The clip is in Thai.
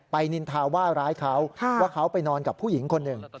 นินทาว่าร้ายเขาว่าเขาไปนอนกับผู้หญิงคนหนึ่ง